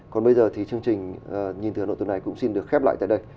còn bây giờ thì chương trình nhìn từ hà nội tuần này cũng xin được khép lại tại đây